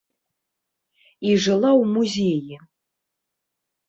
І жыла ў музеі.